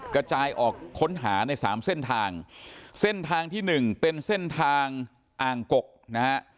กระจายออกค้นหาในสามเส้นทางเส้นทางที่หนึ่งเป็นเส้นทางอ่างกกนะฮะ